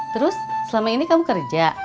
terus selama ini kamu kerja